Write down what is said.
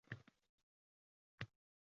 Sizni undanda qimmatliroq ishlar kutmoqda